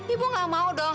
ibu gak mau dong